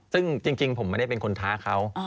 ซึ่งจริงผมไม่ได้เป็นคนท้าเขา